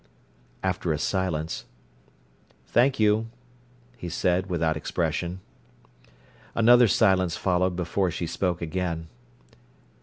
After a silence, "Thank you," he said, without expression. Another silence followed before she spoke again.